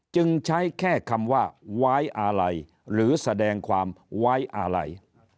จึงใช้แค่คำว่าไว้อาลัยหรือแสดงความไว้อาลัย